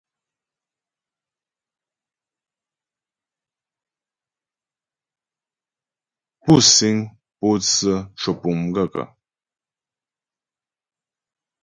Pú síŋ pótsə́ cwə̀pùŋ m gaə̂ kə́ ?